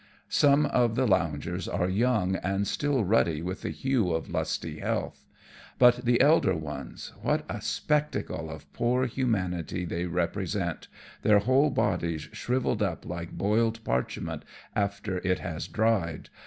Some of the loungers are young and still ruddy with the hue of lusty health ; but the elder ones, what a spectacle of poor humanity they represent, their whole bodies shrivelled up like boiled parchment after it has dried